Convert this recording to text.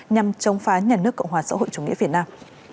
nhằm chống phá nhà nước cộng hòa xã hội chủ nghĩa việt nam